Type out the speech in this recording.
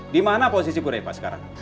di mana posisi bu repa sekarang